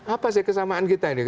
apa sih kesamaan kita ini